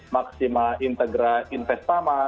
maksima integra investama